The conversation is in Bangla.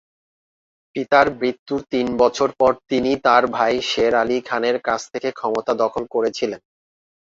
পিতার মৃত্যুর তিন বছর পর তিনি তার ভাই শের আলি খানের কাছ থেকে ক্ষমতা দখল করেছিলেন।